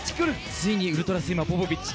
ついにウルトラスイマーポポビッチ。